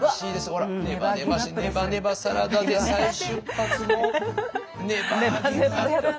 ほらネバネバしてネバネバサラダで再出発のネバーギブアップ。